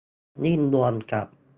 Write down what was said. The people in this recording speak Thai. ยิ่งรวมกับ